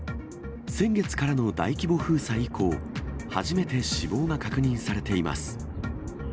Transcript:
先月からの大規模封鎖以降、初めて死亡が確認されています。